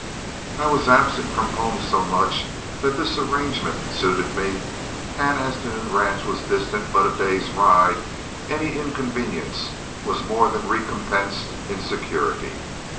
I was absent from home so much that this arrangement suited me, and as the new ranch was distant but a day's ride, any inconvenience was more than recompensed in security.